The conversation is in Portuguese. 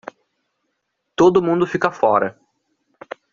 Todo mundo fica fora